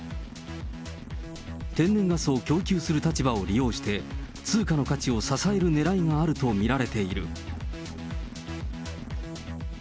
天然ガスを供給する立場を利用して、通貨の価値を支えるねらいがあると見られている。